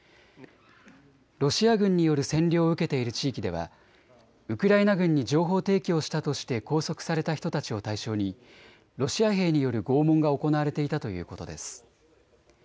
ロシア軍による占領を受けている地域ではウクライナ軍に情報提供したとして拘束された人たちを対象にロシア兵による拷問が行われていたということです。